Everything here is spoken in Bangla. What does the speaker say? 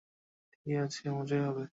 ঠিকই আছে, মজাই হবে।